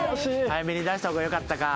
早めに出した方がよかったか。